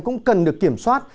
cũng cần được kiểm soát